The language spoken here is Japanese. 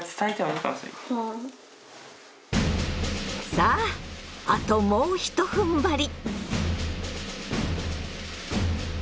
さああともうひとふんばり！